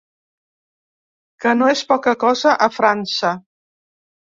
Que no és poca cosa a França.